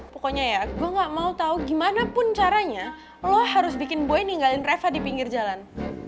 pokoknya ya gue gak mau tahu gimana pun caranya lo harus bikin boy ninggalin reva di pinggir jalan